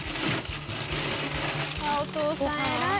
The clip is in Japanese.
ああお父さん偉い！